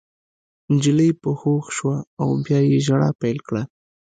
نجلۍ په هوښ شوه او بیا یې ژړا پیل کړه